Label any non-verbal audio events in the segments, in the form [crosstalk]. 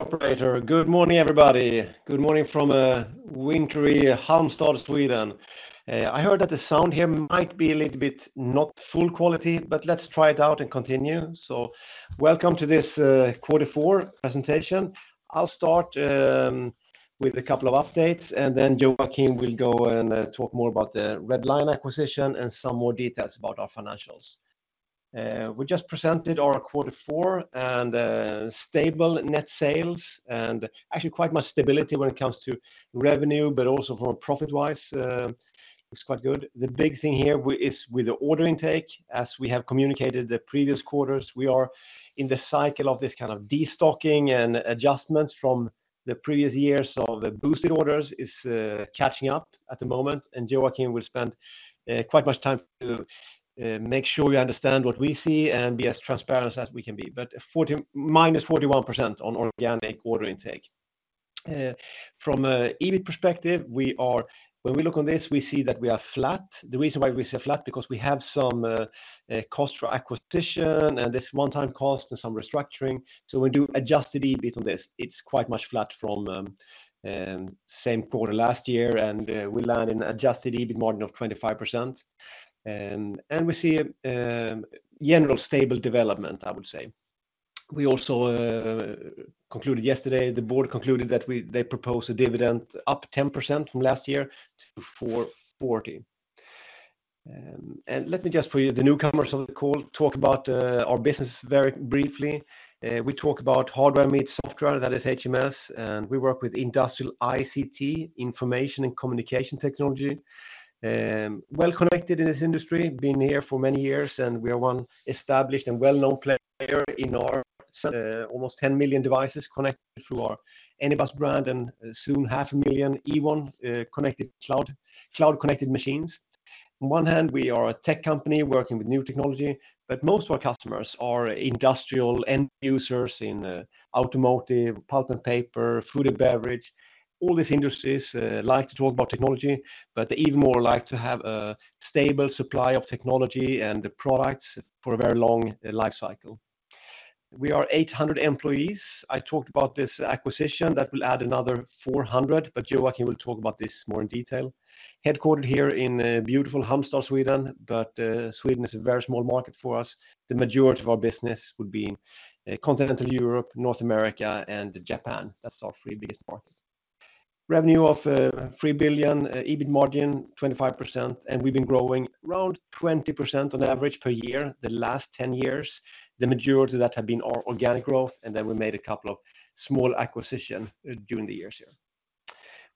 Operator, good morning everybody. Good morning from wintry Halmstad, Sweden. I heard that the sound here might be a little bit not full quality, but let's try it out and continue. So welcome to this quarter four presentation. I'll start with a couple of updates, and then Joakim will go and talk more about the Red Lion acquisition and some more details about our financials. We just presented our quarter four and stable net sales and actually quite much stability when it comes to revenue, but also from a profit-wise, looks quite good. The big thing here is with the order intake. As we have communicated the previous quarters, we are in the cycle of this kind of destocking and adjustments from the previous years, so the boosted orders is catching up at the moment. Joakim will spend quite much time to make sure you understand what we see and be as transparent as we can be. But -41% on organic order intake. From an EBIT perspective, we are, when we look on this, we see that we are flat. The reason why we say flat is because we have some cost for acquisition and this one-time cost and some restructuring. So when we do adjusted EBIT on this, it's quite much flat from same quarter last year, and we land in adjusted EBIT margin of 25%. And we see general stable development, I would say. We also concluded yesterday the board concluded that they proposed a dividend up 10% from last year to 4.40. And let me just for you the newcomers on the call talk about our business very briefly. We talk about hardware meets software, that is HMS, and we work with Industrial ICT, Information and Communication Technology. Well connected in this industry, been here for many years, and we are one established and well-known player in our, almost 10 million devices connected through our Anybus brand and soon 500,000 Ewon connected cloud cloud-connected machines. On one hand, we are a tech company working with new technology, but most of our customers are industrial end users in, automotive, pulp and paper, food and beverage. All these industries, like to talk about technology, but they even more like to have a stable supply of technology and products for a very long lifecycle. We are 800 employees. I talked about this acquisition that will add another 400, but Joakim will talk about this more in detail. Headquartered here in beautiful Halmstad, Sweden, but Sweden is a very small market for us. The majority of our business would be in continental Europe, North America, and Japan. That's our three biggest markets. Revenue of 3 billion, EBIT margin 25%, and we've been growing around 20% on average per year the last 10 years. The majority of that have been our organic growth, and then we made a couple of small acquisitions during the years here.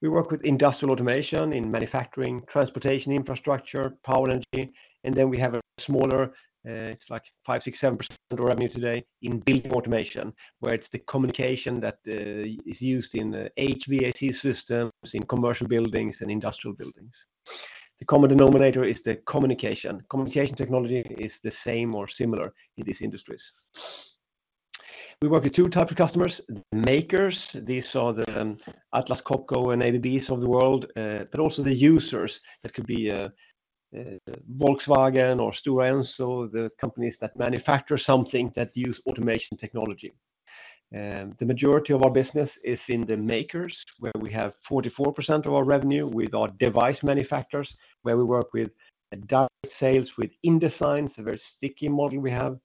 We work with industrial automation in manufacturing, transportation infrastructure, power and energy, and then we have a smaller, it's like 5%, 6%, 7% of our revenue today in building automation where it's the communication that is used in HVAC systems in commercial buildings and industrial buildings. The common denominator is the communication. Communication technology is the same or similar in these industries. We work with two types of customers: the makers. These are the Atlas Copco and ABBs of the world, but also the users that could be Volkswagen or Stora Enso, the companies that manufacture something that use automation technology. The majority of our business is in the makers where we have 44% of our revenue with our device manufacturers where we work with direct sales with indirect, it's a very sticky model we have.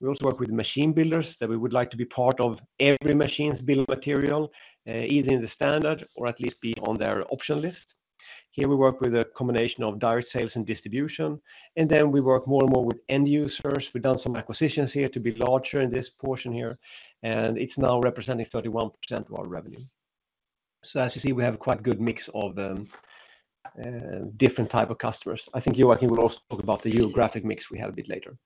We also work with machine builders that we would like to be part of every machine's build material, either in the standard or at least be on their option list. Here we work with a combination of direct sales and distribution, and then we work more and more with end users. We've done some acquisitions here to be larger in this portion here, and it's now representing 31% of our revenue. So as you see, we have a quite good mix of different types of customers. I think Joakim will also talk about the geographic mix we have a bit later.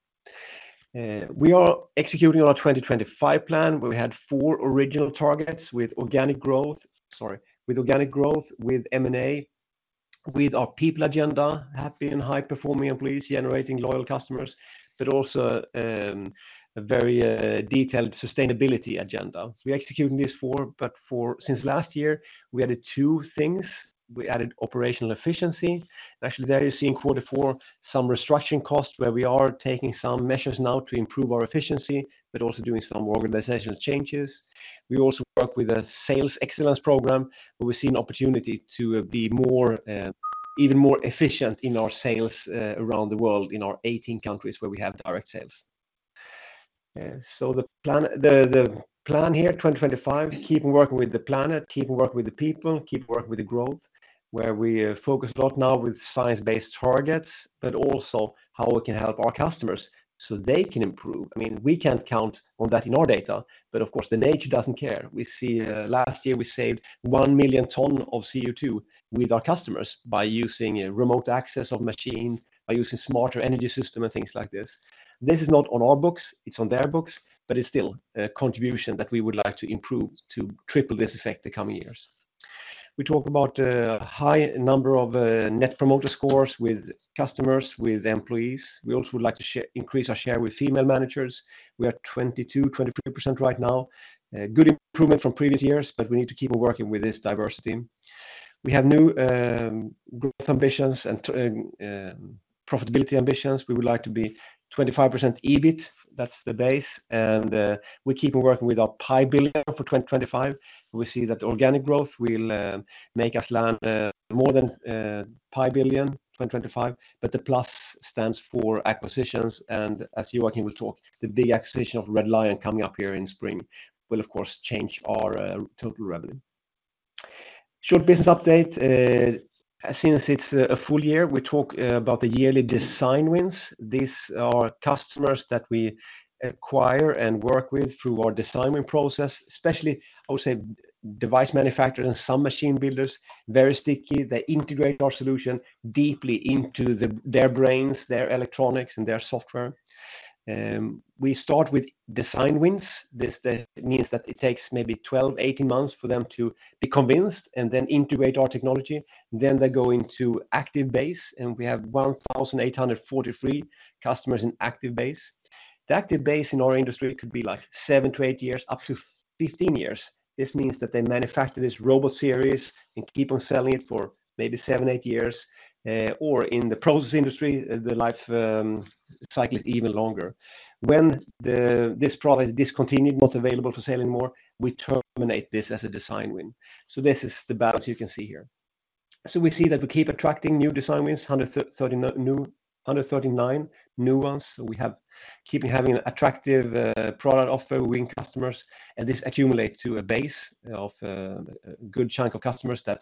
We are executing on our 2025 plan where we had four original targets with organic growth sorry, with organic growth, with M&A, with our people agenda: happy and high-performing employees, generating loyal customers, but also a very detailed sustainability agenda. We're executing these four, but for since last year we added two things. We added operational efficiency. Actually, there you see in quarter four some restructuring costs where we are taking some measures now to improve our efficiency, but also doing some organizational changes. We also work with a sales excellence program where we see an opportunity to be more even more efficient in our sales, around the world in our 18 countries where we have direct sales. So the plan here 2025: keeping working with the planet, keeping working with the people, keeping working with the growth where we focus a lot now with Science-Based Targets, but also how we can help our customers so they can improve. I mean, we can't count on that in our data, but of course the nature doesn't care. We see, last year we saved 1 million tons of CO2 with our customers by using remote access of machine, by using smarter energy system and things like this. This is not on our books, it's on their books, but it's still a contribution that we would like to improve to triple this effect the coming years. We talk about a high number of Net Promoter Scores with customers, with employees. We also would like to increase our share with female managers. We are 22%-23% right now. Good improvement from previous years, but we need to keep on working with this diversity. We have new growth ambitions and profitability ambitions. We would like to be 25% EBIT. That's the base, and we keep on working with our 1 billion for 2025. We see that organic growth will make us land more than 1 billion 2025, but the plus stands for acquisitions, and as Joakim will talk, the big acquisition of Red Lion coming up here in spring will, of course, change our total revenue. Short business update, since it's a full year we talk about the yearly design wins. These are customers that we acquire and work with through our design win process, especially I would say device manufacturers and some machine builders. Very sticky. They integrate our solution deeply into their brains, their electronics, and their software. We start with design wins. This means that it takes maybe 12-18 months for them to be convinced and then integrate our technology. Then they go into active base, and we have 1,843 customers in active base. The active base in our industry could be like 7-8 years, up to 15 years. This means that they manufacture this robot series and keep on selling it for maybe 7-8 years, or in the process industry the life cycle is even longer. When this product is discontinued, not available for sale anymore, we terminate this as a design win. So this is the balance you can see here. So we see that we keep attracting new design wins, 139 new ones. We have keeping having an attractive product offer winning customers, and this accumulates to a base of a good chunk of customers that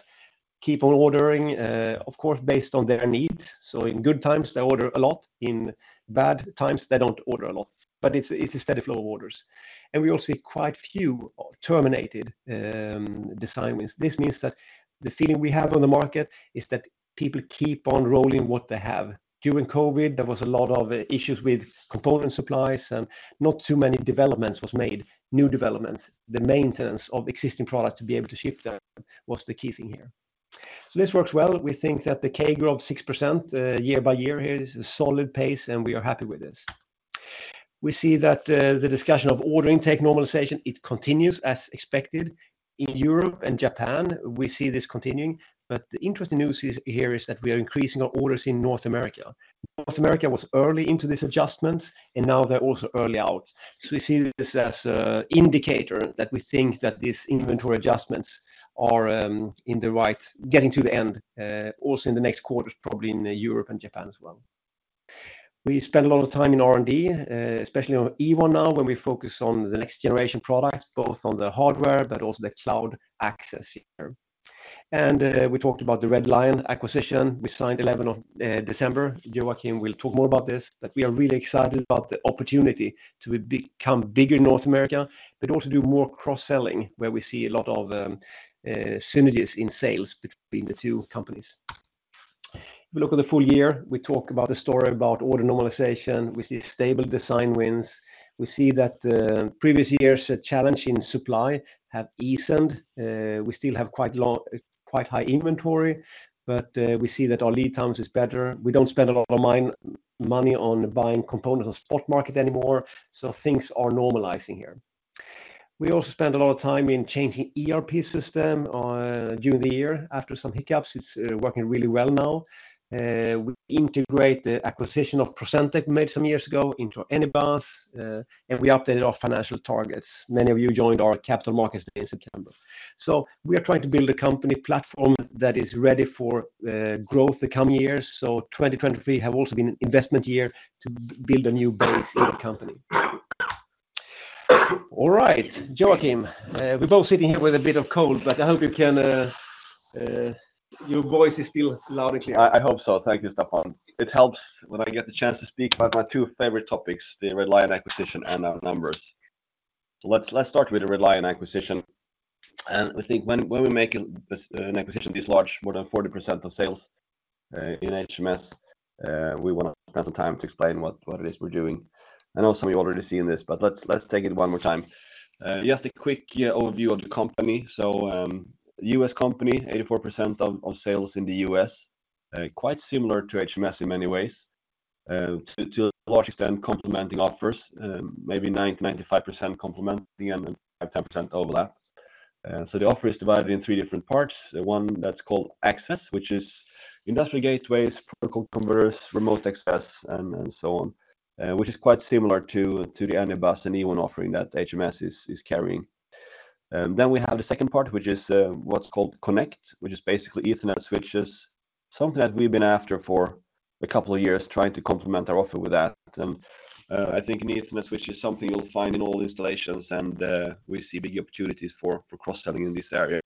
keep on ordering, of course based on their needs. So in good times they order a lot. In bad times they don't order a lot, but it's a steady flow of orders. And we also see quite a few terminated design wins. This means that the feeling we have on the market is that people keep on rolling what they have. During COVID there was a lot of issues with component supplies and not too many developments were made. New developments. The maintenance of existing products to be able to shift them was the key thing here. So this works well. We think that the CAGR of 6% year-by-year here is a solid pace, and we are happy with this. We see that the discussion of order intake normalization it continues as expected. In Europe and Japan we see this continuing, but the interesting news here is that we are increasing our orders in North America. North America was early into this adjustment, and now they're also early out. So we see this as an indicator that we think that these inventory adjustments are in the right, getting to the end, also in the next quarters probably in Europe and Japan as well. We spend a lot of time in R&D, especially on Ewon now when we focus on the next generation products, both on the hardware but also the cloud access here. We talked about the Red Lion acquisition. We signed 11 of December. Joakim will talk more about this, but we are really excited about the opportunity to become bigger in North America, but also do more cross-selling where we see a lot of synergies in sales between the two companies. If we look at the full year, we talk about the story about order normalization. We see stable design wins. We see that previous years' challenge in supply has eased. We still have quite long, quite high inventory, but we see that our lead times are better. We don't spend a lot of money on buying components on spot market anymore, so things are normalizing here. We also spend a lot of time in changing ERP system during the year. After some hiccups, it's working really well now. We integrate the acquisition of PROCENTEC we made some years ago into Anybus, and we updated our financial targets. Many of you joined our Capital Markets Day in September. We are trying to build a company platform that is ready for growth the coming years. 2023 has also been an investment year to build a new base in the company. All right. Joakim, we're both sitting here with a bit of cold, but I hope you can, your voice is still loud and clear. I hope so. Thank you, Staffan. It helps when I get the chance to speak about my two favorite topics, the Red Lion acquisition and our numbers. So let's start with the Red Lion acquisition. And we think when we make an acquisition this large, more than 40% of sales in HMS, we want to spend some time to explain what it is we're doing. I know some of you already seen this, but let's take it one more time. Just a quick overview of the company. So, U.S. company, 84% of sales in the U.S. Quite similar to HMS in many ways, to a large extent complementing offers, maybe 90%-95% complementing and 5%-10% overlap. So the offer is divided in three different parts. One that's called Access, which is Industrial Gateways, Protocol Converters, Remote Access, and so on, which is quite similar to the Anybus and Ewon offering that HMS is carrying. Then we have the second part, which is what's called Connect, which is basically Ethernet switches. Something that we've been after for a couple of years trying to complement our offer with that. And I think an Ethernet switch is something you'll find in all installations, and we see big opportunities for cross-selling in this area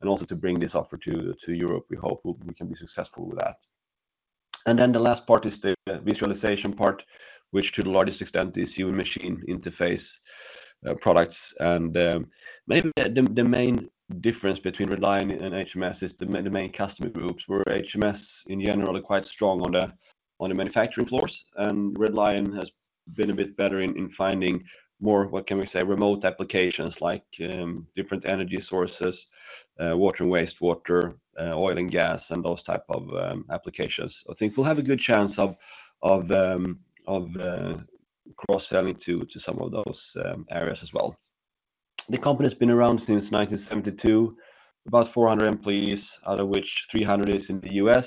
and also to bring this offer to Europe. We hope we can be successful with that. And then the last part is the visualization part, which to the largest extent is human-machine interface products. Maybe the main difference between Red Lion and HMS is the main customer groups where HMS in general are quite strong on the manufacturing floors, and Red Lion has been a bit better in finding more, what can we say, remote applications like different energy sources, water and wastewater, oil and gas, and those types of applications. I think we'll have a good chance of cross-selling to some of those areas as well. The company's been around since 1972. About 400 employees, out of which 300 is in the U.S.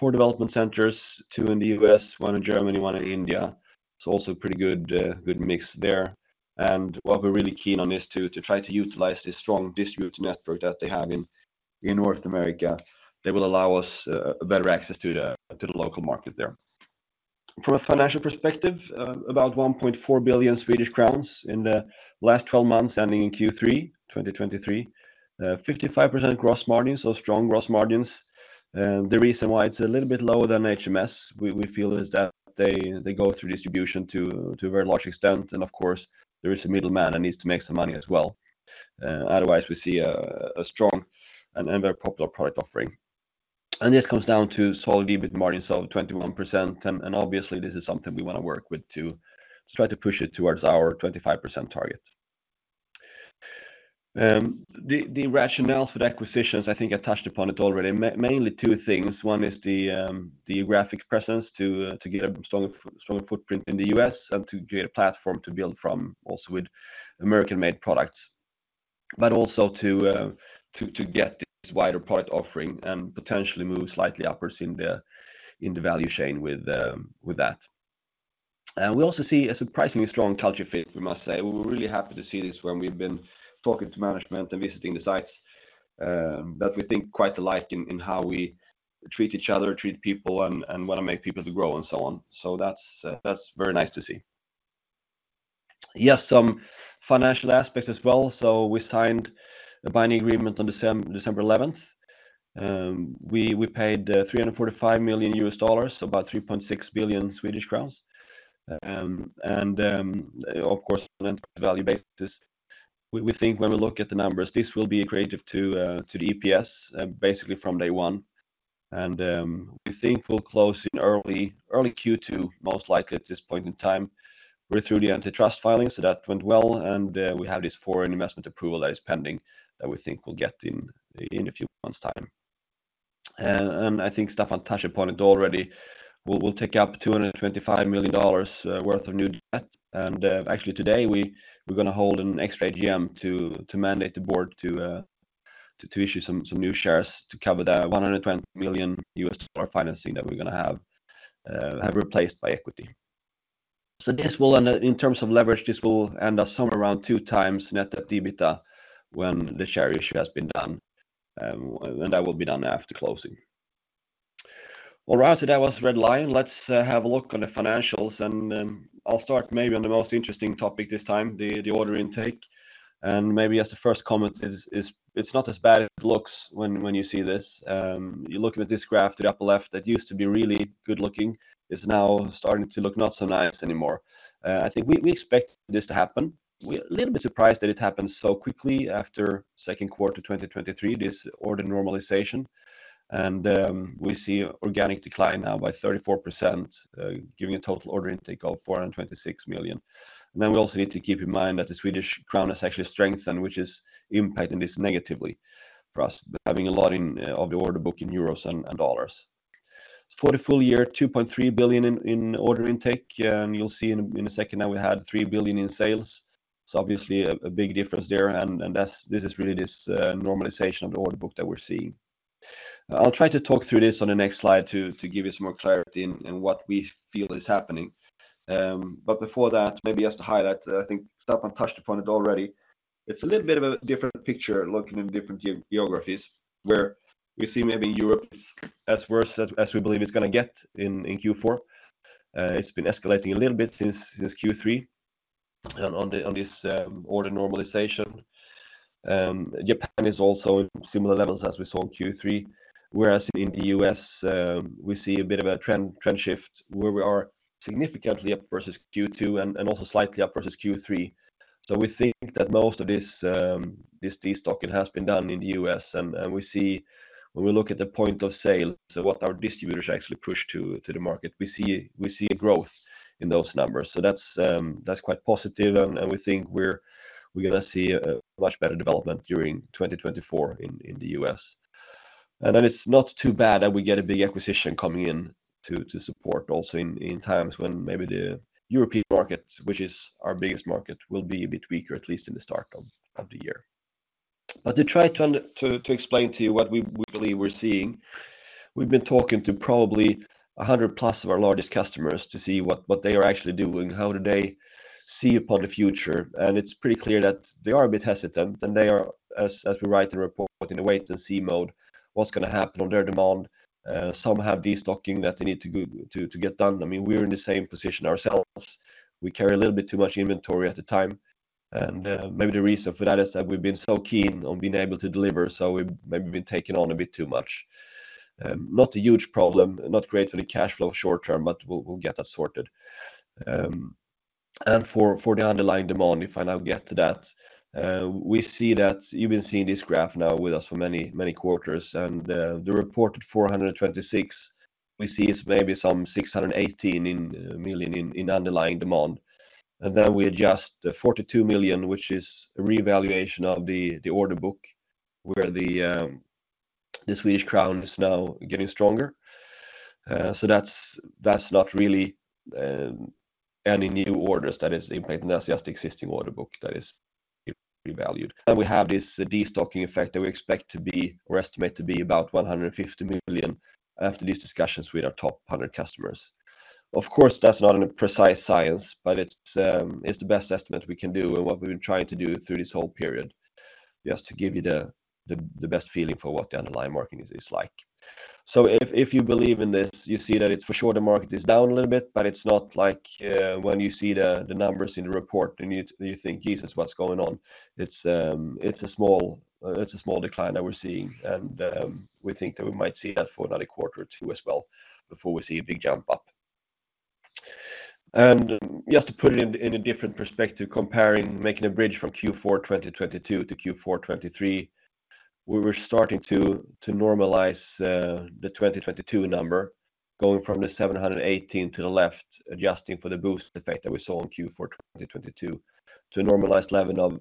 Four development centers, two in the U.S., one in Germany, one in India. So also a pretty good mix there. And what we're really keen on is to try to utilize this strong distributed network that they have in North America. They will allow us a better access to the local market there. From a financial perspective, about 1.4 billion Swedish crowns in the last 12 months ending in Q3 2023, 55% gross margins, so strong gross margins. The reason why it's a little bit lower than HMS, we feel is that they go through distribution to a very large extent, and of course there is a middleman that needs to make some money as well. Otherwise we see a strong and very popular product offering. This comes down to solid EBIT margins of 21%, and obviously this is something we want to work with to try to push it towards our 25% target. The rationales for the acquisitions, I think I touched upon it already, mainly two things. One is the geographic presence to get a stronger footprint in the U.S. and to create a platform to build from also with American-made products, but also to get this wider product offering and potentially move slightly upwards in the value chain with that. We also see a surprisingly strong culture fit, we must say. We're really happy to see this when we've been talking to management and visiting the sites, that we think quite alike in how we treat each other, treat people, and want to make people to grow and so on. So that's very nice to see. Yes, some financial aspects as well. So we signed a binding agreement on December 11th. We paid $345 million, so about 3.6 billion Swedish crowns. And, of course, on enterprise value basis. We think when we look at the numbers, this will be accretive to the EPS basically from day one. We think we'll close in early Q2 most likely at this point in time. We're through the antitrust filing, so that went well, and we have this foreign investment approval that is pending that we think we'll get in a few months' time. I think Staffan touched upon it already. We'll take up $225 million worth of new debt, and actually today we're going to hold an extra AGM to mandate the board to issue some new shares to cover that $120 million US financing that we're going to have replaced by equity. So this will end up in terms of leverage; this will end up somewhere around 2x net-debt-EBITDA when the share issue has been done, and that will be done after closing. All right. So that was Red Lion. Let's have a look at the financials, and I'll start maybe on the most interesting topic this time, the order intake. And maybe as the first comment is, it's not as bad as it looks when you see this. You look at this graph to the upper left that used to be really good looking; is now starting to look not so nice anymore. I think we expected this to happen. We're a little bit surprised that it happened so quickly after second quarter 2023, this order normalization. And we see organic decline now by 34%, giving a total order intake of 426 million. And then we also need to keep in mind that the Swedish krona has actually strengthened, which is impacting this negatively for us, having a lot of the order book in euros and dollars. For the full year, 2.3 billion in order intake, and you'll see in a second now we had 3 billion in sales. So obviously a big difference there, and that's really this normalization of the order book that we're seeing. I'll try to talk through this on the next slide to give you some more clarity in what we feel is happening. But before that, maybe just to highlight, I think Staffan touched upon it already. It's a little bit of a different picture looking in different geographies where we see maybe in Europe it's as worse as we believe it's going to get in Q4. It's been escalating a little bit since Q3 on this order normalization. Japan is also in similar levels as we saw in Q3, whereas in the U.S., we see a bit of a trend shift where we are significantly up versus Q2 and also slightly up versus Q3. So we think that most of this destocking has been done in the U.S., and we see when we look at the point of sale, so what our distributors actually push to the market, we see a growth in those numbers. So that's quite positive, and we think we're going to see a much better development during 2024 in the U.S. And then it's not too bad that we get a big acquisition coming in to support also in times when maybe the European market, which is our biggest market, will be a bit weaker, at least in the start of the year. But to try to explain to you what we believe we're seeing, we've been talking to probably 100+ of our largest customers to see what they are actually doing, how do they see upon the future. And it's pretty clear that they are a bit hesitant, and they are, as we write the report, in the wait-and-see mode, what's going to happen on their demand. Some have destocking that they need to go to get done. I mean, we're in the same position ourselves. We carry a little bit too much inventory at the time, and maybe the reason for that is that we've been so keen on being able to deliver, so we've maybe been taking on a bit too much. Not a huge problem, not great for the cash flow short term, but we'll get that sorted. For the underlying demand, if I now get to that, we see that you've been seeing this graph now with us for many quarters, and the reported 426 million we see is maybe some 618 million in underlying demand. Then we adjust 42 million, which is a revaluation of the order book where the Swedish krona is now getting stronger. So that's not really any new orders that is impacting. That's just existing order book that is revalued. Then we have this destocking effect that we expect to be or estimate to be about 150 million after these discussions with our top 100 customers. Of course, that's not a precise science, but it's the best estimate we can do and what we've been trying to do through this whole period just to give you the best feeling for what the underlying market is like. So if you believe in this, you see that it's for sure the market is down a little bit, but it's not like, when you see the numbers in the report and you think, "Jesus, what's going on?" It's a small decline that we're seeing, and we think that we might see that for another quarter or two as well before we see a big jump up. Just to put it in a different perspective, comparing, making a bridge from Q4 2022 to Q4 2023, we're starting to normalize the 2022 number, going from the 718 million to the left, adjusting for the boost effect that we saw in Q4 2022, to a normalized level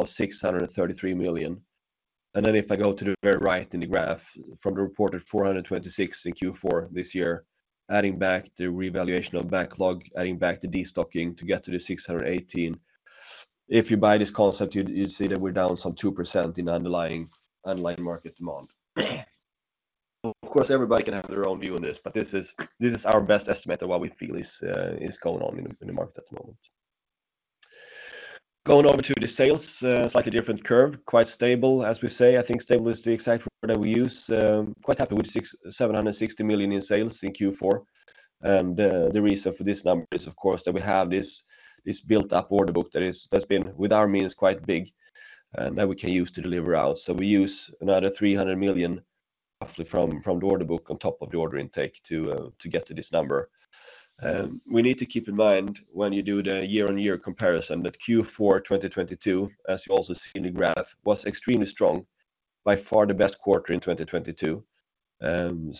of 633 million. And then if I go to the very right in the graph, from the reported 426 million in Q4 this year, adding back the revaluation of backlog, adding back the destocking to get to the 618 million, if you buy this concept, you'd see that we're down some 2% in underlying market demand. Of course, everybody can have their own view on this, but this is our best estimate of what we feel is going on in the market at the moment. Going over to the sales, slightly different curve, quite stable, as we say. I think stable is the exact word that we use. Quite happy with 760 million in sales in Q4. The reason for this number is, of course, that we have this built-up order book that's been, with our means, quite big and that we can use to deliver out. So we use another 300 million, roughly, from the order book on top of the order intake to get to this number. We need to keep in mind when you do the year-on-year comparison that Q4 2022, as you also see in the graph, was extremely strong, by far the best quarter in 2022.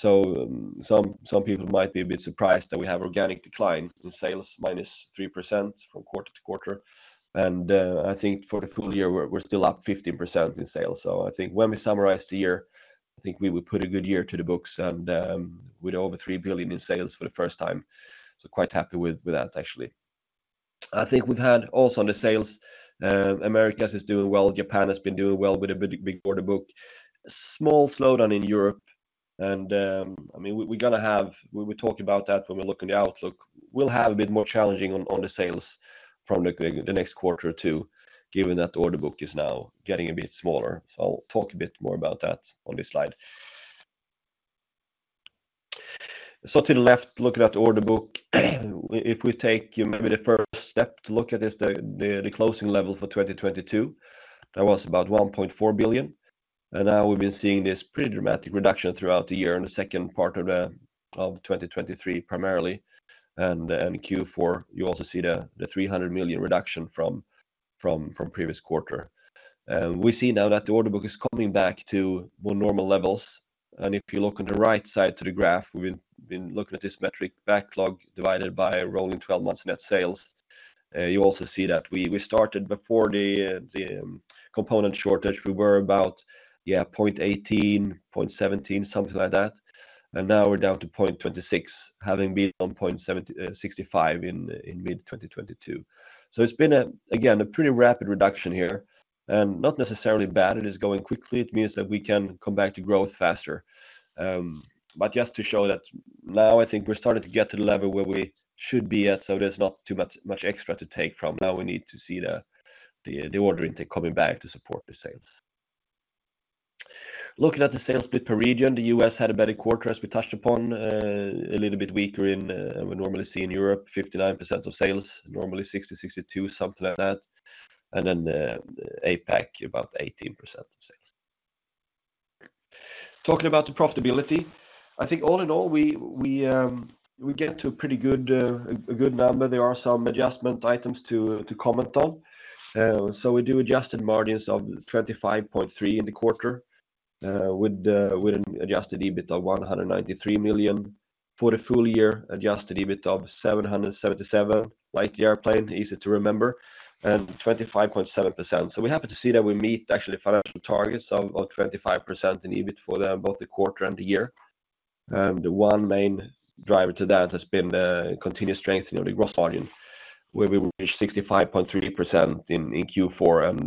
So, some people might be a bit surprised that we have organic decline in sales -3% from quarter-to-quarter. I think for the full year we're still up 15% in sales. So I think when we summarize the year, I think we will put a good year to the books, and with over 3 billion in sales for the first time. So quite happy with that, actually. I think we've had also on the sales, the America is doing well, Japan has been doing well with a big order book, small slowdown in Europe, and, I mean, we're going to have we're talking about that when we look at the outlook. We'll have a bit more challenging on the sales from the next quarter or two, given that the order book is now getting a bit smaller. So I'll talk a bit more about that on this slide. So to the left, looking at the order book, if we take maybe the first step to look at is the closing level for 2022. That was about 1.4 billion. And now we've been seeing this pretty dramatic reduction throughout the year in the second quarter of 2023 primarily. And Q4, you also see the 300 million reduction from previous quarter. And we see now that the order book is coming back to more normal levels. And if you look on the right side to the graph, we've been looking at this metric, backlog divided by rolling 12 months net sales. You also see that we started before the component shortage, we were about, yeah, 0.18, 0.17, something like that. And now we're down to 0.26, having been on 0.65 in mid-2022. So it's been a, again, a pretty rapid reduction here, and not necessarily bad. It is going quickly. It means that we can come back to growth faster. But just to show that now I think we're starting to get to the level where we should be at, so there's not too much extra to take from. Now we need to see the order intake coming back to support the sales. Looking at the sales split per region, the U.S. had a better quarter, as we touched upon, a little bit weaker than we normally see in Europe, 59% of sales, normally 60%, 62%, something like that. And then, APAC about 18% of sales. Talking about the profitability, I think all in all we get to a pretty good number. There are some adjustment items to comment on. So we do adjusted margins of 25.3% in the quarter, with an adjusted EBITDA of 193 million, for the full year adjusted EBITDA of 777 million, like the airplane, easy to remember, and 25.7%. So we happen to see that we meet actually financial targets of 25% in EBIT for both the quarter and the year. And the one main driver to that has been the continued strengthening of the gross margin, where we reached 65.3% in Q4 and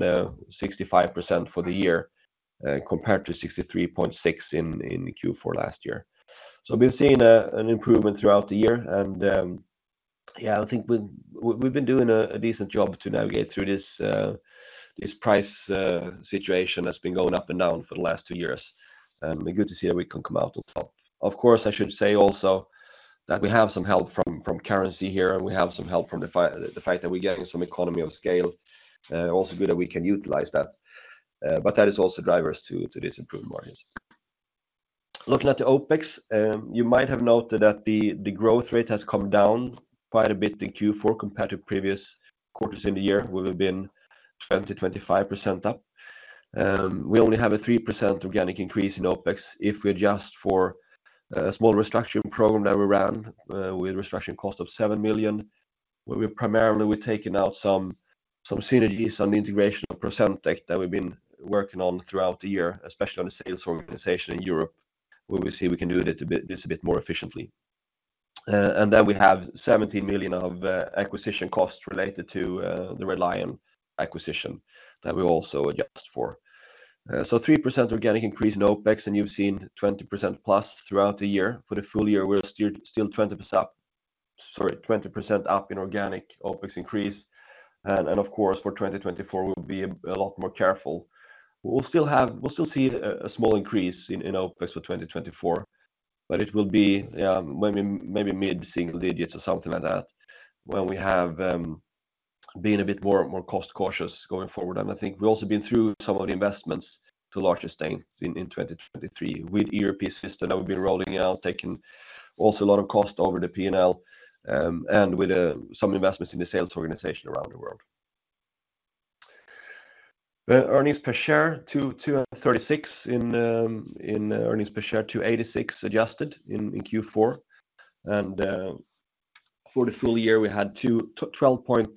65% for the year, compared to 63.6% in Q4 last year. So we've been seeing an improvement throughout the year, and, yeah, I think we've been doing a decent job to navigate through this price situation that's been going up and down for the last two years. And good to see that we can come out on top. Of course, I should say also that we have some help from currency here, and we have some help from the fact that we're getting some economy of scale. Also good that we can utilize that. But that is also drivers to these improved margins. Looking at the OPEX, you might have noted that the growth rate has come down quite a bit in Q4 compared to previous quarters in the year, where we've been 20%-25% up. We only have a 3% organic increase in OPEX if we adjust for a small restructuring program that we ran, with restructuring cost of 7 million, where we primarily we're taking out some synergies on the integration of PROCENTEC that we've been working on throughout the year, especially on the sales organization in Europe, where we see we can do this a bit more efficiently. and then we have 17 million of acquisition costs related to the Red Lion acquisition that we also adjust for. So 3% organic increase in OPEX, and you've seen 20%+ throughout the year. For the full year, we're still 20% up, sorry, 20% up in organic OPEX increase. And of course, for 2024, we'll be a lot more careful. We'll still see a small increase in OPEX for 2024, but it will be, yeah, maybe mid-single digits or something like that, when we have been a bit more cost-cautious going forward. And I think we've also been through some of the investments to large extents in 2023 with ERP system that we've been rolling out, taking also a lot of cost over the P&L, and with some investments in the sales organization around the world. Earnings per share 2.36, earnings per share 2.86 adjusted in Q4. For the full year, we had 12.23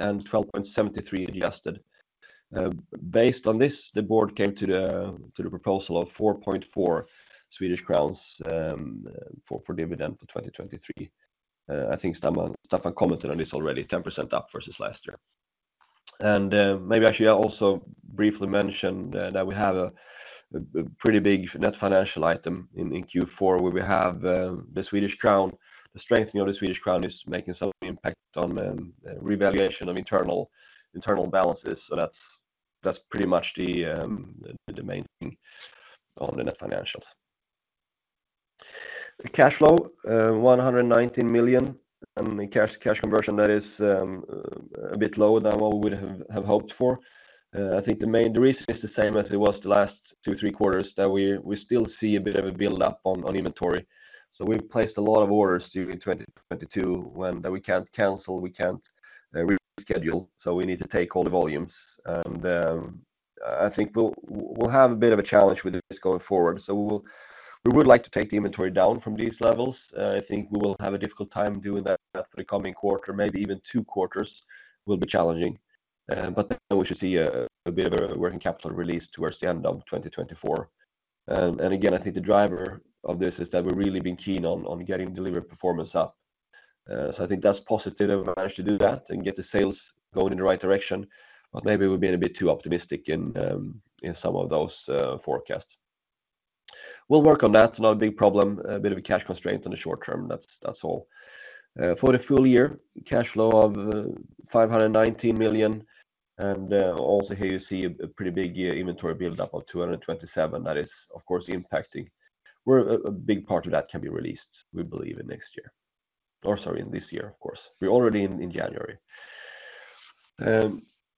and 12.73 adjusted. Based on this, the board came to the proposal of 4.4 Swedish crowns for dividend for 2023. I think Staffan commented on this already, 10% up versus last year. Maybe I should also briefly mention that we have a pretty big net financial item in Q4, where we have the Swedish krona. The strengthening of the Swedish krona is making some impact on revaluation of internal balances. So that's pretty much the main thing on the net financials. Cash flow 119 million. The cash conversion, that is a bit lower than what we would have hoped for. I think the main reason is the same as it was the last two or three quarters, that we still see a bit of a buildup on inventory. So we've placed a lot of orders during 2022 when that we can't cancel, we can't reschedule, so we need to take all the volumes. And I think we'll have a bit of a challenge with this going forward. So we would like to take the inventory down from these levels. I think we will have a difficult time doing that for the coming quarter, maybe even two quarters will be challenging. But then we should see a bit of a working capital release towards the end of 2024. And again, I think the driver of this is that we've really been keen on getting delivered performance up. So I think that's positive that we've managed to do that and get the sales going in the right direction. But maybe we've been a bit too optimistic in some of those forecasts. We'll work on that. Not a big problem, a bit of a cash constraint on the short term. That's all. For the full year, cash flow of 519 million. And also here you see a pretty big inventory buildup of 227 million. That is, of course, impacting. Where a big part of that can be released, we believe, in next year. Or sorry, in this year, of course. We're already in January.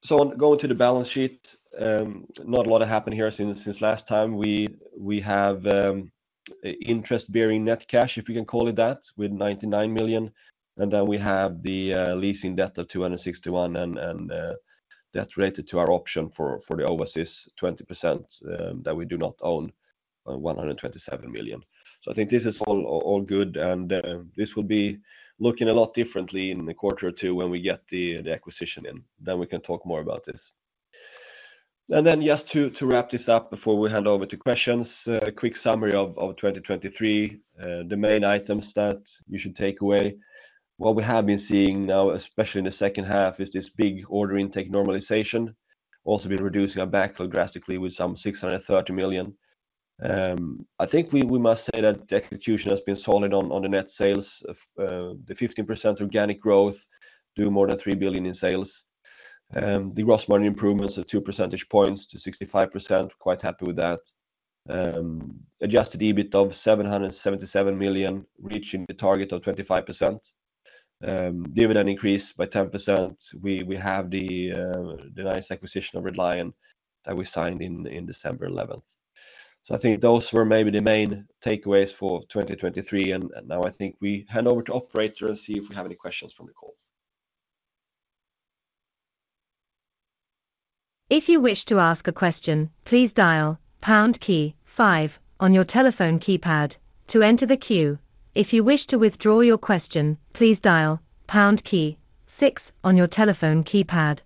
So on going to the balance sheet, not a lot of happened here since last time. We have interest-bearing net cash, if we can call it that, with 99 million. And then we have the leasing debt of 261 million and that's related to our option for Ewon, 20%, that we do not own, 127 million. So I think this is all good. And this will be looking a lot differently in a quarter or two when we get the acquisition in. Then we can talk more about this. And then just to wrap this up before we hand over to questions, a quick summary of 2023, the main items that you should take away. What we have been seeing now, especially in the second half, is this big order intake normalization, also been reducing our backlog drastically with some 630 million. I think we must say that the execution has been solid on the net sales. The 15% organic growth did more than 3 billion in sales. The gross margin improvements of two percentage points to 65%, quite happy with that. Adjusted EBIT of 777 million, reaching the target of 25%. Dividend increase by 10%. We have the nice acquisition of Red Lion that we signed in December 11th. So I think those were maybe the main takeaways for 2023. And now I think we hand over to operator and see if we have any questions from the call. If you wish to ask a question, please dial pound key five on your telephone keypad to enter the queue. If you wish to withdraw your question, please dial pound key six on your telephone keypad.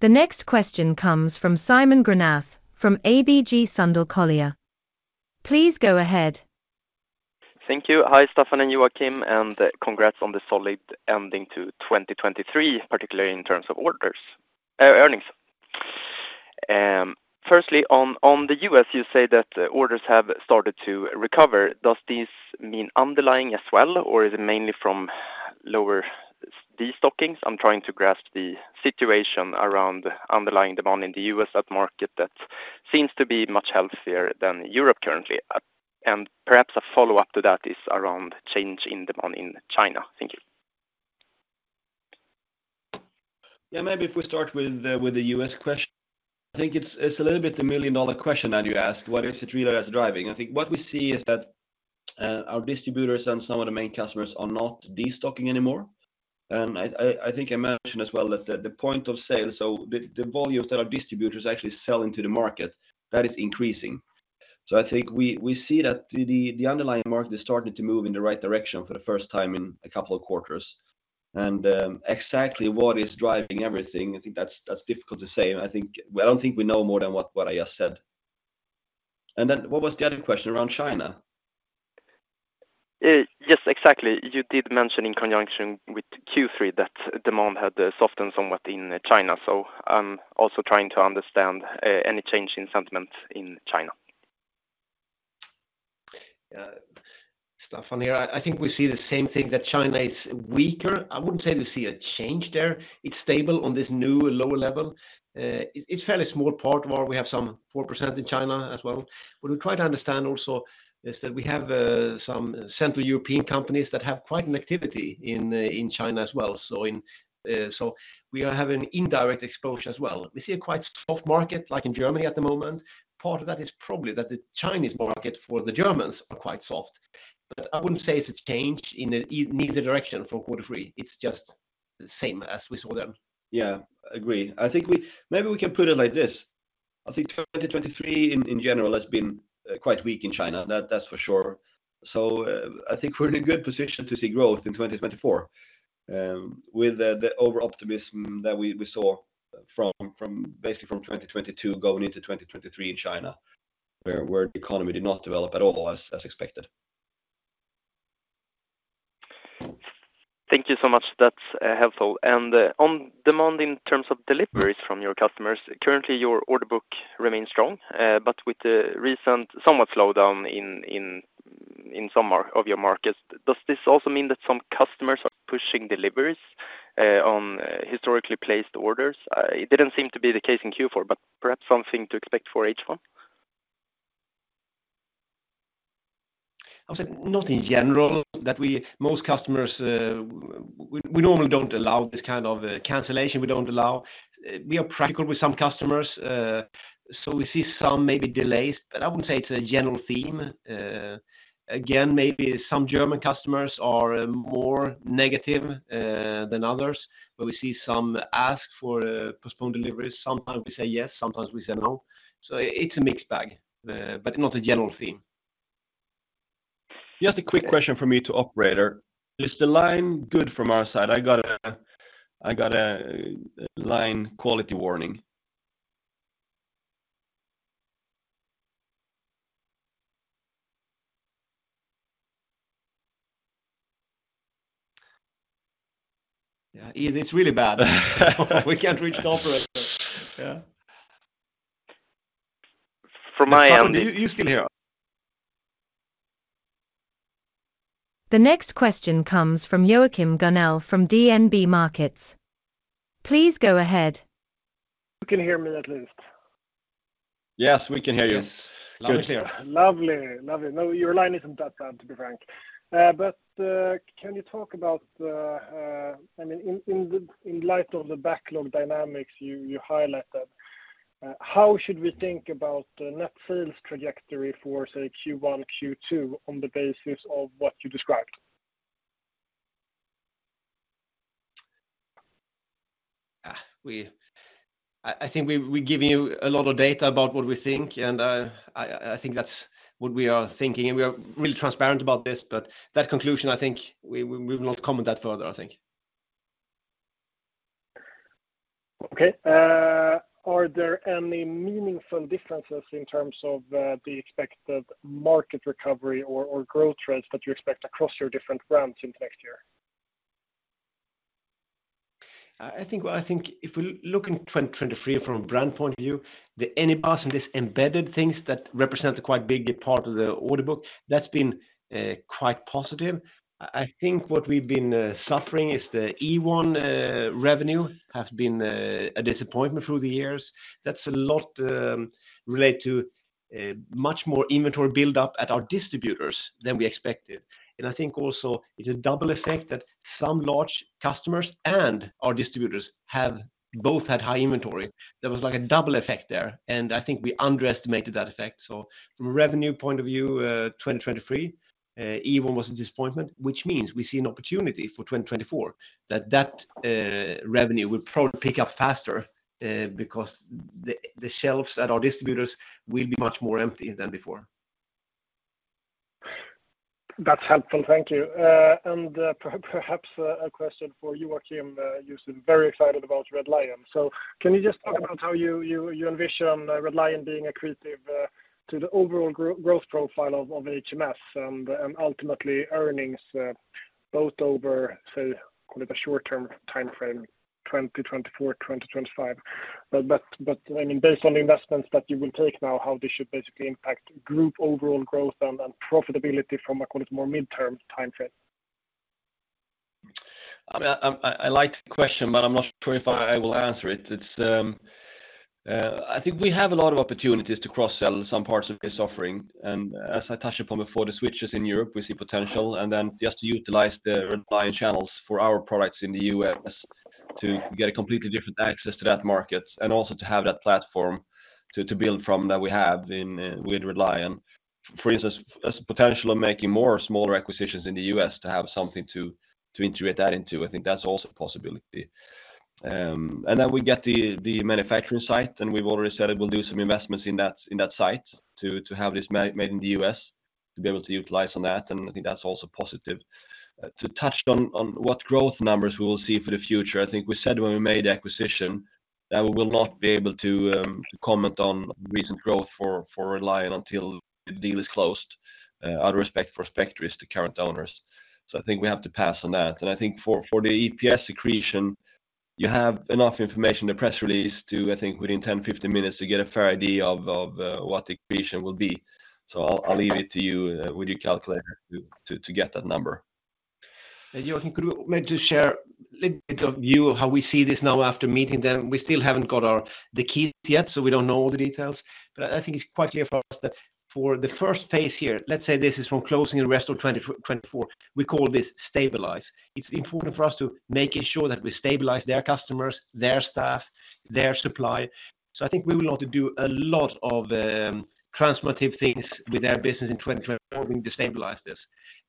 The next question comes from Simon Granath from ABG Sundal Collier. Please go ahead. Thank you. Hi Staffan and Joakim, and congrats on the solid ending to 2023, particularly in terms of orders earnings. Firstly, on the U.S., you say that orders have started to recover. Does this mean underlying as well, or is it mainly from lower destockings? I'm trying to grasp the situation around underlying demand in the U.S. at market that seems to be much healthier than Europe currently. And perhaps a follow-up to that is around change in demand in China. Thank you. Yeah, maybe if we start with the U.S. question. I think it's a little bit the million-dollar question that you asked. What is it really that's driving? I think what we see is that our distributors and some of the main customers are not destocking anymore. And I think I mentioned as well that the point of sale, so the volumes that our distributors actually sell into the market, that is increasing. So I think we see that the underlying market is starting to move in the right direction for the first time in a couple of quarters. And exactly what is driving everything, I think that's difficult to say. I think I don't think we know more than what I just said. And then what was the other question around China? Yes, exactly. You did mention in conjunction with Q3 that demand had softened somewhat in China. So I'm also trying to understand any change in sentiment in China. Yeah, Staffan here. I think we see the same thing, that China is weaker. I wouldn't say we see a change there. It's stable on this new lower level. It's a fairly small part of our; we have some 4% in China as well. What we try to understand also is that we have some Central European companies that have quite an activity in China as well. So in so we are having indirect exposure as well. We see a quite soft market, like in Germany at the moment. Part of that is probably that the Chinese market for the Germans are quite soft. But I wouldn't say it's a change in neither direction from quarter three. It's just the same as we saw then. Yeah, agree. I think we maybe we can put it like this. I think 2023 in general has been quite weak in China. That's for sure. So I think we're in a good position to see growth in 2024, with the overoptimism that we saw from basically from 2022 going into 2023 in China, where the economy did not develop at all as expected. Thank you so much. That's helpful. And on demand in terms of deliveries from your customers, currently your order book remains strong, but with the recent somewhat slowdown in some of your markets. Does this also mean that some customers are pushing deliveries on historically placed orders? It didn't seem to be the case in Q4, but perhaps something to expect for H1? I would say not in general, that we most customers we normally don't allow this kind of cancellation. We don't allow. We are practical with some customers, so we see some maybe delays. But I wouldn't say it's a general theme. Again, maybe some German customers are more negative than others, where we see some ask for postponed deliveries. Sometimes we say yes, sometimes we say no. So it's a mixed bag, but not a general theme. Just a quick question from me to operator. Is the line good from our side? I got a line quality warning. Yeah, it's really bad. We can't reach the operator. Yeah. From my end [audio distortion] The next question comes from Joachim Gunell from DNB Markets. Please go ahead. You can hear me at least. Yes, we can hear you. Yes, lovely here. Lovely, lovely. No, your line isn't that bad, to be frank. But can you talk about, I mean, in the light of the backlog dynamics you highlighted, how should we think about the net sales trajectory for, say, Q1, Q2 on the basis of what you described? We, I think, we've given you a lot of data about what we think, and I think that's what we are thinking. And we are really transparent about this, but that conclusion, I think we will not comment that further, I think. Okay. Are there any meaningful differences in terms of the expected market recovery or growth trends that you expect across your different brands into next year? I think, well, I think if we look in 2023 from a brand point of view, the Anybus and these embedded things that represent a quite big part of the order book, that's been quite positive. I think what we've been suffering is the Ewon revenue has been a disappointment through the years. That's a lot related to much more inventory buildup at our distributors than we expected. And I think also it's a double effect that some large customers and our distributors have both had high inventory. There was like a double effect there, and I think we underestimated that effect. So from a revenue point of view, 2023, Ewon was a disappointment, which means we see an opportunity for 2024, that revenue will probably pick up faster because the shelves at our distributors will be much more empty than before. That's helpful. Thank you. And perhaps a question for you, Joakim. You've been very excited about Red Lion. So can you just talk about how you envision Red Lion being accretive to the overall growth profile of HMS and ultimately earnings both over, say, call it a short-term timeframe, 2024, 2025? But I mean, based on the investments that you will take now, how this should basically impact group overall growth and profitability from a, call it, more mid-term timeframe? I mean, I like the question, but I'm not sure if I will answer it. It's, I think we have a lot of opportunities to cross-sell some parts of this offering. And as I touched upon before, the switches in Europe, we see potential. And then just to utilize the Red Lion channels for our products in the U.S. to get a completely different access to that market and also to have that platform to build from that we have in with Red Lion. For instance, as a potential of making more smaller acquisitions in the U.S. to have something to integrate that into, I think that's also a possibility. And then we get the manufacturing site, and we've already said it will do some investments in that site to have this made in the U.S., to be able to utilize on that. And I think that's also positive. To touch on what growth numbers we will see for the future, I think we said when we made the acquisition that we will not be able to comment on recent growth for Red Lion until the deal is closed, out of respect for Spectris, the current owners. So I think we have to pass on that. I think for the EPS accretion, you have enough information in the press release to, I think, within 10, 15 minutes to get a fair idea of what the accretion will be. So I'll leave it to you with your calculator to get that number. Joakim, could we maybe just share a little bit of view of how we see this now after meeting them? We still haven't got the keys yet, so we don't know all the details. But I think it's quite clear for us that for the first phase here, let's say this is from closing and rest of 2024, we call this stabilize. It's important for us to make sure that we stabilize their customers, their staff, their supply. So I think we will not do a lot of transformative things with their business in 2024 when we destabilize this.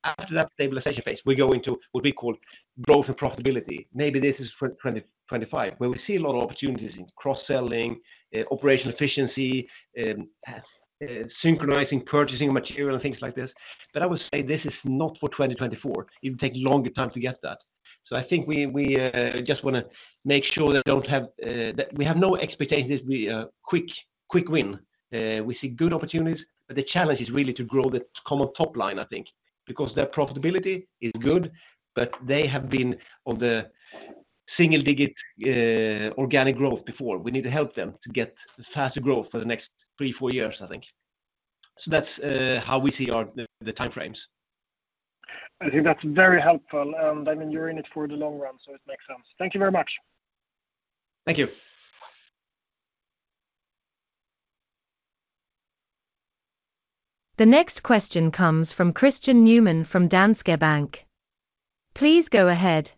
After that stabilization phase, we go into what we call growth and profitability. Maybe this is 2025, where we see a lot of opportunities in cross-selling, operational efficiency, synchronizing purchasing of material and things like this. But I would say this is not for 2024. It will take a longer time to get that. So I think we just want to make sure that we don't have that we have no expectation this will be a quick quick win. We see good opportunities, but the challenge is really to grow the common top line, I think, because their profitability is good, but they have been on the single-digit organic growth before. We need to help them to get faster growth for the next three, four years, I think. So that's how we see our the timeframes. I think that's very helpful. And I mean, you're in it for the long run, so it makes sense. Thank you very much. Thank you. The next question comes from Christian Newman from Danske Bank. Please go ahead.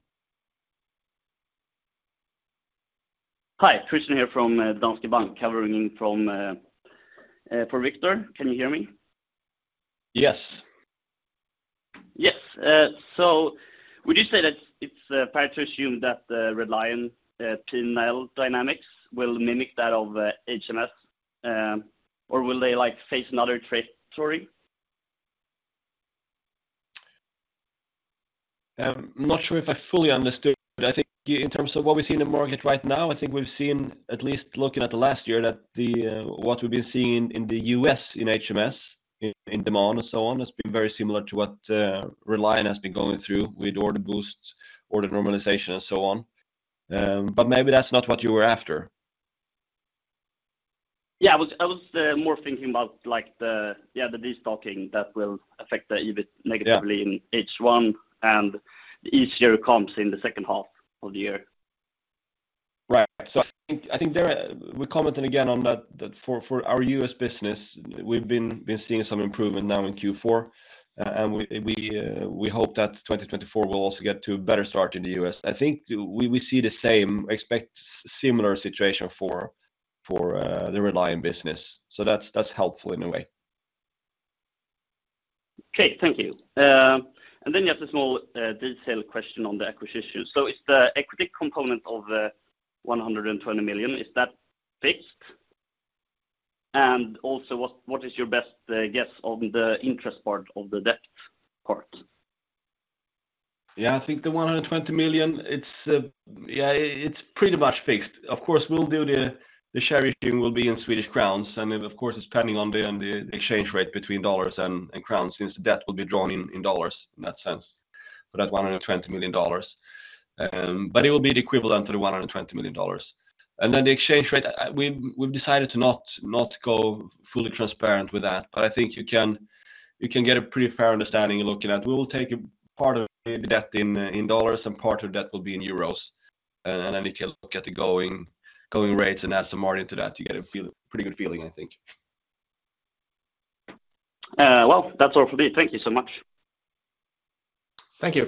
Hi, Christian here from Danske Bank, covering in for Victor. Can you hear me? Yes. Yes. So would you say that it's fair to assume that Red Lion P&L dynamics will mimic that of HMS, or will they like face another trajectory? I'm not sure if I fully understood. I think in terms of what we see in the market right now, I think we've seen, at least looking at the last year, that what we've been seeing in the U.S. in HMS, in demand and so on, has been very similar to what Red Lion has been going through with order boost, order normalization, and so on. But maybe that's not what you were after. Yeah, I was more thinking about like the yeah, the destocking that will affect the EBIT negatively in H1 and the easier comps in the second half of the year. Right. So I think there we're commenting again on that for our U.S. business, we've been seeing some improvement now in Q4, and we hope that 2024 will also get to a better start in the U.S. I think we see the same, expect similar situation for the Red Lion business. So that's helpful in a way. Okay. Thank you. And then you have a small detail question on the acquisition. So is the equity component of the $120 million, is that fixed? And also, what is your best guess on the interest part of the debt part? Yeah, I think the $120 million, it's yeah, it's pretty much fixed. Of course, we'll do the share issuing will be in Swedish krona. I mean, of course, it's pending on the exchange rate between dollars and krona, since the debt will be drawn in dollars in that sense for that $120 million. But it will be the equivalent to the $120 million. And then the exchange rate, we've decided to not go fully transparent with that. But I think you can get a pretty fair understanding looking at we will take a part of the debt in US dollars and part of the debt will be in euros. And then you can look at the going rates and add some more into that. You get a feeling pretty good feeling, I think. Well, that's all for me. Thank you so much. Thank you.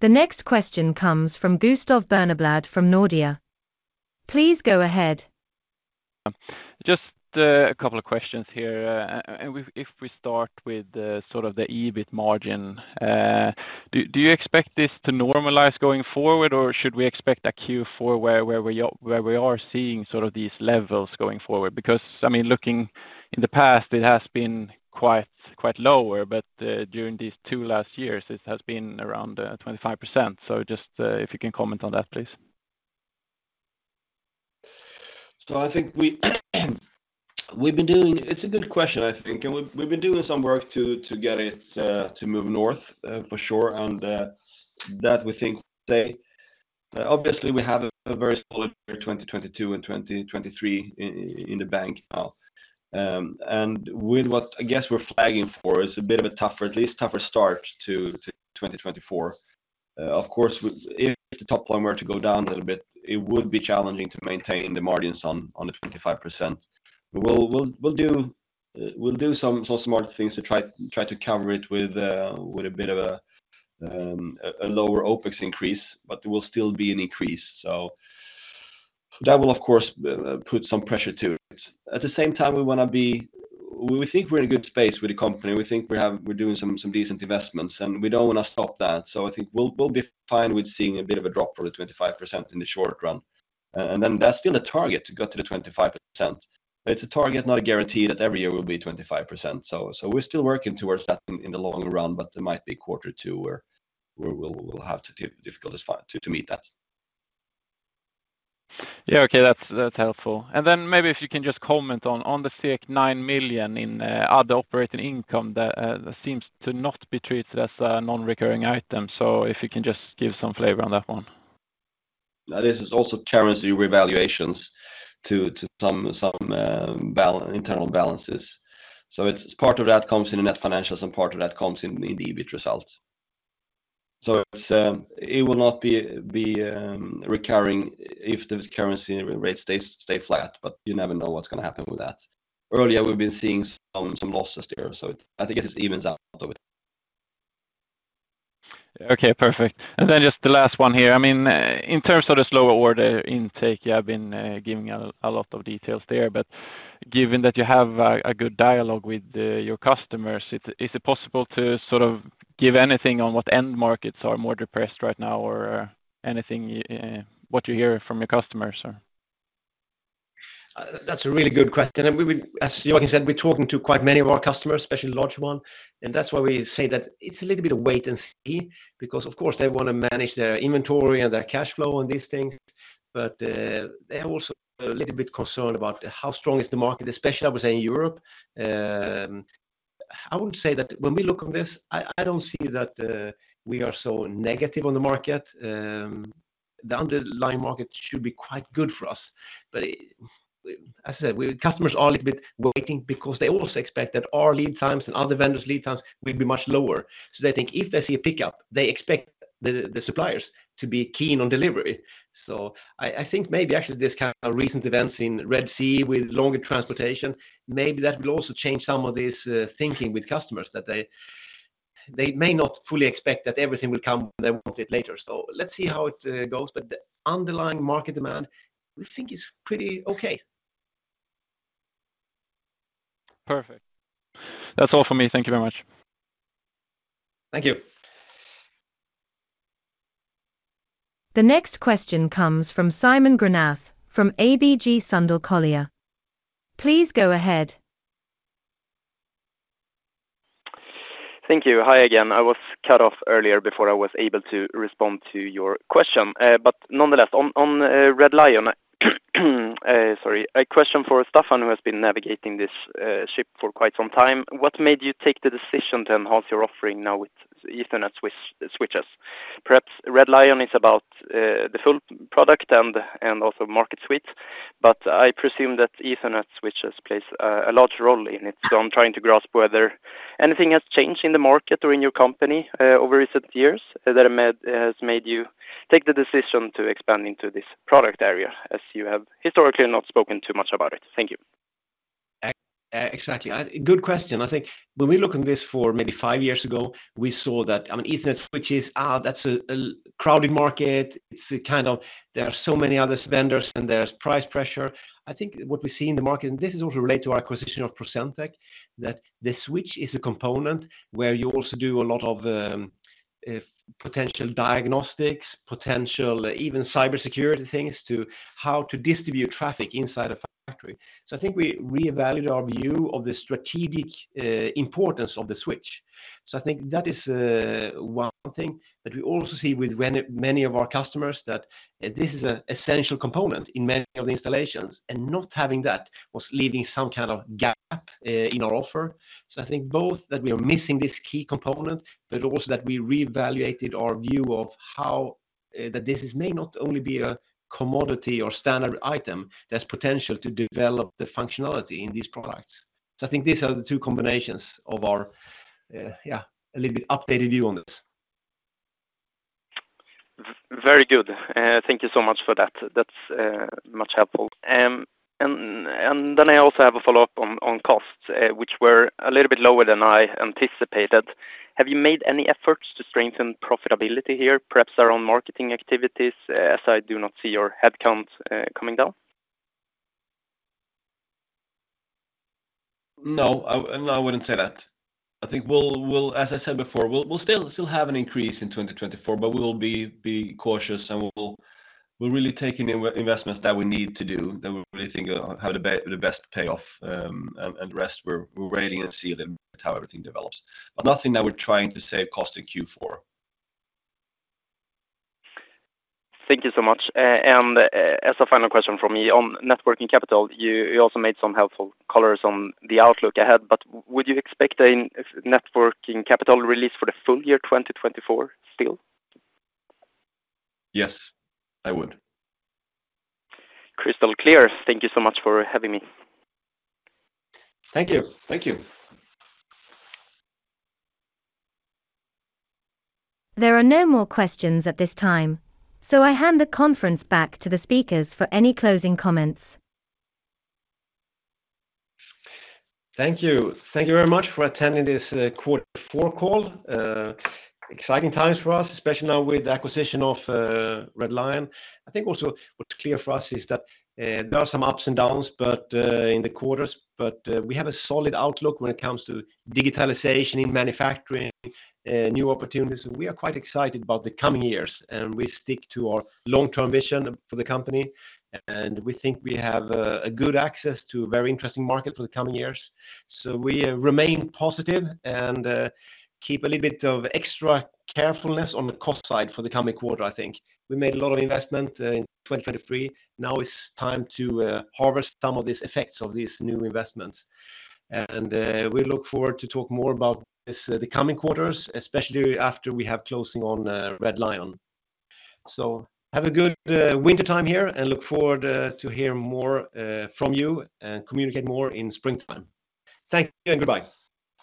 The next question comes from Gustav Berneblad from Nordea. Please go ahead. Just a couple of questions here. And if we start with sort of the EBIT margin, do you expect this to normalize going forward, or should we expect a Q4 where we are seeing sort of these levels going forward? Because, I mean, looking in the past, it has been quite lower, but during these two last years, it has been around 25%. So just if you can comment on that, please. So I think we've been doing. It's a good question, I think. And we've been doing some work to get it to move north, for sure, and that we think. Obviously, we have a very solid year 2022 and 2023 in the bank now. And with what, I guess, we're flagging for is a bit of a tougher, at least tougher start to 2024. Of course, if the top line were to go down a little bit, it would be challenging to maintain the margins on the 25%. We'll do some smart things to try to cover it with a bit of a lower OPEX increase, but there will still be an increase. So that will, of course, put some pressure to it. At the same time, we want to be. We think we're in a good space with the company. We think we have. We're doing some decent investments, and we don't want to stop that. So I think we'll be fine with seeing a bit of a drop from the 25% in the short run. And then that's still a target to get to the 25%. It's a target, not a guarantee that every year will be 25%. So we're still working towards that in the long run, but there might be a quarter or two where we'll have difficulties to meet that. Yeah, okay. That's helpful. And then maybe if you can just comment on the 9 million in other operating income that seems to not be treated as a non-recurring item. So if you can just give some flavor on that one. Now, this is also currency revaluations to some internal balances. So it's part of that comes in the net financials and part of that comes in the EBIT results. So it will not be recurring if the currency rate stays flat, but you never know what's going to happen with that. Earlier, we've been seeing some losses there, so I think it just evens out of it. Okay. Perfect. And then just the last one here. I mean, in terms of the slower order intake, you have been giving a lot of details there. But given that you have a good dialogue with your customers, is it possible to sort of give anything on what end markets are more depressed right now or anything what you hear from your customers, so? That's a really good question. And we would as Joakim said, we're talking to quite many of our customers, especially large ones. And that's why we say that it's a little bit of wait and see because, of course, they want to manage their inventory and their cash flow and these things. But they are also a little bit concerned about how strong is the market, especially, I would say, in Europe. I wouldn't say that when we look on this, I don't see that we are so negative on the market. The underlying market should be quite good for us. But as I said, customers are a little bit waiting because they also expect that our lead times and other vendors' lead times will be much lower. So they think if they see a pickup, they expect the suppliers to be keen on delivery. So I think maybe, actually, this kind of recent events in Red Sea with longer transportation, maybe that will also change some of this thinking with customers, that they may not fully expect that everything will come when they want it later. So let's see how it goes. But the underlying market demand, we think, is pretty okay. Perfect. That's all for me. Thank you very much. Thank you. The next question comes from Simon Granath from ABG Sundal Collier. Please go ahead. Thank you. Hi again. I was cut off earlier before I was able to respond to your question. But nonetheless, on Red Lion—sorry, a question for Staffan who has been navigating this ship for quite some time. What made you take the decision to enhance your offering now with Ethernet switches? Perhaps Red Lion is about the full product and also market suite, but I presume that Ethernet switches play a large role in it. So I'm trying to grasp whether anything has changed in the market or in your company over recent years that has made you take the decision to expand into this product area as you have historically not spoken too much about it? Thank you. Exactly. Good question. I think when we look on this for maybe five years ago, we saw that, I mean, Ethernet switches, that's a crowded market. It's kind of there are so many other vendors, and there's price pressure. I think what we see in the market, and this is also related to our acquisition of PROCENTEC, that the switch is a component where you also do a lot of potential diagnostics, potential even cybersecurity things to how to distribute traffic inside a factory. So I think we reevaluated our view of the strategic importance of the switch. So I think that is one thing. But we also see with many of our customers that this is an essential component in many of the installations. And not having that was leaving some kind of gap in our offer. So I think both that we are missing this key component, but also that we reevaluated our view of how that this may not only be a commodity or standard item, there's potential to develop the functionality in these products. So I think these are the two combinations of our, yeah, a little bit updated view on this. Very good. Thank you so much for that. That's much helpful. And then I also have a follow-up on costs, which were a little bit lower than I anticipated. Have you made any efforts to strengthen profitability here, perhaps around marketing activities, as I do not see your headcount coming down? No. No, I wouldn't say that. I think we'll, as I said before, we'll still have an increase in 2024, but we will be cautious, and we'll really take any investments that we need to do that we really think have the best payoff. And the rest, we're waiting and see a little bit how everything develops, but nothing that we're trying to save cost in Q4. Thank you so much. As a final question from me on net working capital, you also made some helpful color on the outlook ahead. But would you expect a net working capital release for the full year 2024 still? Yes, I would. Crystal clear. Thank you so much for having me. Thank you. Thank you. There are no more questions at this time, so I hand the conference back to the speakers for any closing comments. Thank you. Thank you very much for attending this Q4 call. Exciting times for us, especially now with the acquisition of Red Lion. I think also what's clear for us is that there are some ups and downs in the quarters, but we have a solid outlook when it comes to digitalization in manufacturing, new opportunities. And we are quite excited about the coming years, and we stick to our long-term vision for the company. And we think we have a good access to a very interesting market for the coming years. So we remain positive and keep a little bit of extra carefulness on the cost side for the coming quarter, I think. We made a lot of investment in 2023. Now it's time to harvest some of these effects of these new investments. And we look forward to talk more about this the coming quarters, especially after we have closing on Red Lion. So have a good wintertime here and look forward to hearing more from you and communicate more in springtime. Thank you, and goodbye.